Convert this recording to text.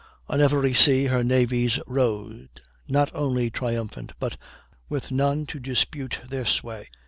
On every sea her navies rode, not only triumphant, but with none to dispute their sway.